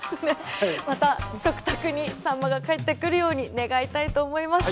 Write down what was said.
また食卓にサンマが帰ってくるように願いたいと思います。